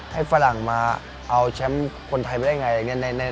ให้ฝรั่งมาเอาแชมป์คนไทยไปได้อย่างไร